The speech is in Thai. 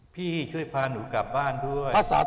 พี่ช่วยพาหนูกลับบ้านด้วย